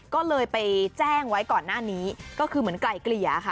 ก็เลยไปแจ้งไว้ก่อนหน้านี้ก็คือเหมือนไกลเกลี่ยค่ะ